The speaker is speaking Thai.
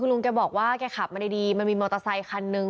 ลุงแกบอกว่าแกขับมาดีมันมีมอเตอร์ไซคันนึง